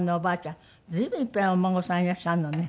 随分いっぱいお孫さんいらっしゃるのね。